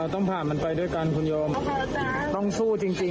ขอบคุณค่ะมากเลยลูกพระครับ